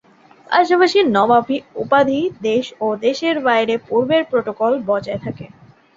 পাশাপাশি নবাব উপাধি, দেশে ও দেশের বাইরে পূর্বের প্রটোকল বজায় থাকে।